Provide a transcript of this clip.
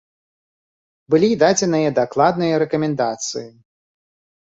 Былі дадзеныя дакладныя рэкамендацыі.